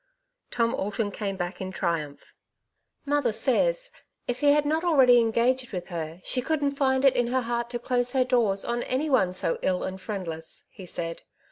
Tom Alton came back in triumph. '' Mother says, if he had not already engaged with her, she couldn't find it in her heart to close her doors on any one so ill and friendless," he said.